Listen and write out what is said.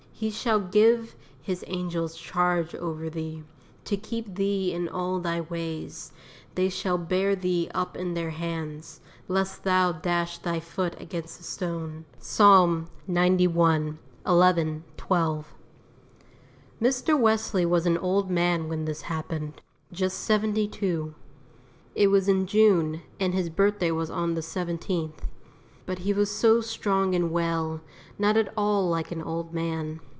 "_He shall give His angels charge over thee, to keep thee in all thy ways: they shall bear thee up in their hands, lest thou dash thy foot against a stone._" Psalm xci. 11, 12. Mr. Wesley was an old man when this happened, just seventy two; it was in June, and his birthday was on the 17th. But he was so strong and well, not at all like an old man.